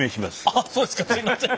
あっそうですかすいません。